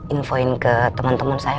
infoin ke teman teman saya